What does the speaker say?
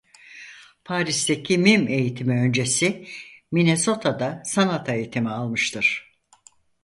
Paris'teki mim eğitimi öncesi Minnesota'da sanat eğitimi almıştır.